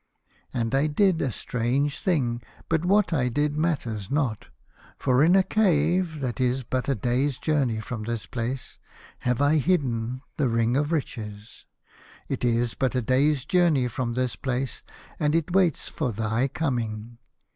" And I did a strange thing, but what I did matters not, for in a cave that is but a day's journey from this place have I hidden the Ring of Riches. It is but a day's journey from this place, and it waits for thy coming.